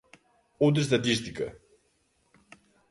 Outra estatística.